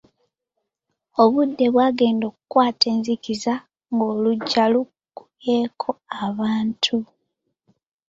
Obudde bwagenda okukwata enzikiza ng'oluggya lukubyeko abantu.